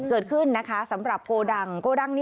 เกิดขึ้นะคะสำหรับโกดัง